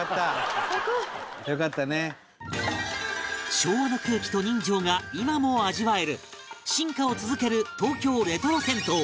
昭和の空気と人情が今も味わえる進化を続ける東京レトロ銭湯